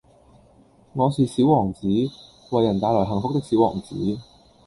我是小王子，為人帶來幸福的小王子